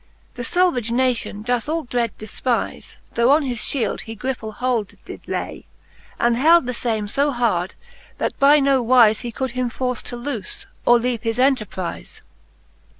The falvage nation doth all dread defpize. Tho on his fliield he griple hold did lay, And held the fame fb hard, that by no wize He could him force to loofe, or leave his enterprize.